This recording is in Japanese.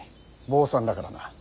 坊さんだからな。